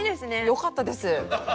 よかったです。